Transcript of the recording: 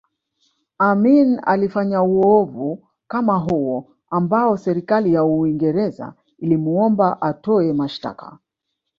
Amin alifanya uovu kama huo ambao serikali ya Uingereza ilimuomba atoe mashtaka